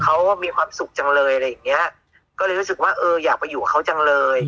เขามีความสุขจังเลยอะไรอย่างเงี้ยก็เลยรู้สึกว่าเอออยากไปอยู่กับเขาจังเลย